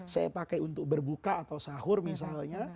saya pakai untuk berbuka atau sahur misalnya